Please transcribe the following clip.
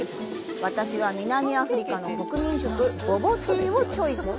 私は南アフリカの国民食ボボティーをチョイス。